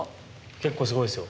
結構すごいですよ。